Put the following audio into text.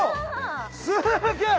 すげえ。